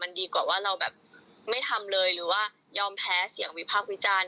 มันดีกว่าว่าแบบไม่ทำเลยหรือยอมแพ้เสี่ยงวิภาพวิจารณ์